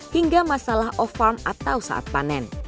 hingga masalah off farm atau saat panen